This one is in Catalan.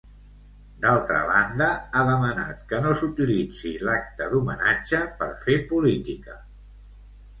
D'altra banda, ha demanat que no s'utilitzi l'acte d'homenatge per fer política.